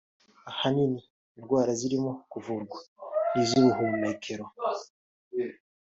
Ahanini indwara zirimo kuvurwa n’iz’ubuhumekero